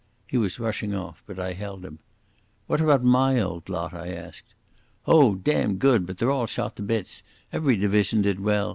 He was rushing off, but I held him. "What about my old lot?" I asked. "Oh, damned good, but they're shot all to bits. Every division did well.